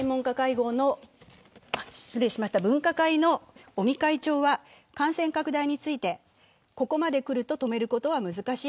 分科会の尾身会長は、感染拡大についてここまで来ると止めることは難しい。